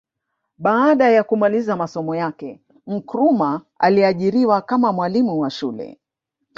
Baada ya kumaliza masomo yake Nkrumah aliajiriwa kama mwalimu wa shule